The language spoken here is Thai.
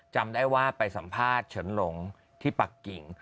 จำได้ว่าไปสัมภาษณ์เฉินหลงที่ปักกิ่ง